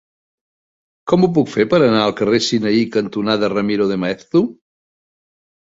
Com ho puc fer per anar al carrer Sinaí cantonada Ramiro de Maeztu?